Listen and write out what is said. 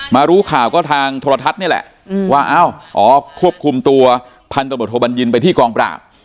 รู้ข่าวก็ทางโทรทัศน์นี่แหละว่าอ้าวอ๋อควบคุมตัวพันธบทโทบัญญินไปที่กองปราบ